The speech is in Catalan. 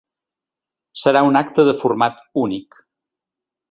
Serà un acte de format únic.